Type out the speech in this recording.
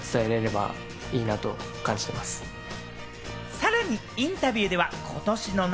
さらにインタビューではことしの夏。